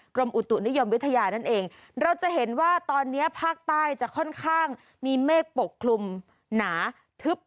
กรมอุตุนิยมวิทยานั่นเองเราจะเห็นว่าตอนนี้ภาคใต้จะค่อนข้างมีเมฆปกคลุมหนาทึบ